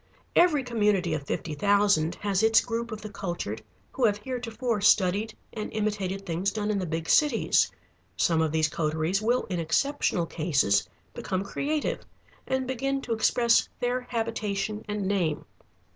Every community of fifty thousand has its group of the cultured who have heretofore studied and imitated things done in the big cities. Some of these coteries will in exceptional cases become creative and begin to express their habitation and name.